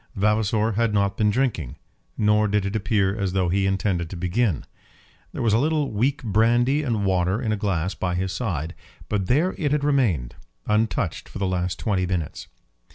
Vavasor had not been drinking, nor did it appear as though he intended to begin. There was a little weak brandy and water in a glass by his side, but there it had remained untouched for the last twenty minutes.